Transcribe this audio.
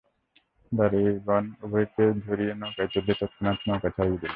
দাঁড়িগণ উভয়কে ধরিয়া নৌকায় তুলিয়া তৎক্ষণাৎ নৌকা ছাড়িয়া দিল।